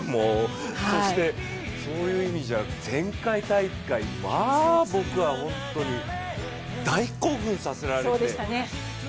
そしてそういう意味じゃ前回大会、まあ僕は本当に大興奮させられて。